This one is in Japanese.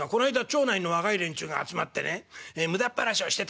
町内の若い連中が集まってね無駄っ話をしてたんですよ。